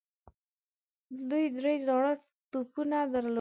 دوی درې زاړه توپونه درلودل.